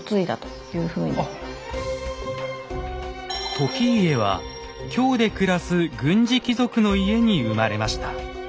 時家は京で暮らす軍事貴族の家に生まれました。